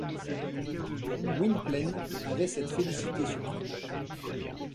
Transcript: Gwynplaine avait cette félicité suprême.